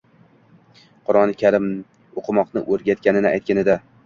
Qur'oni Karim o'qimoqni o'rgatganini aytganida